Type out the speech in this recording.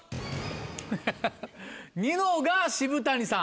フフフニノが渋谷さん。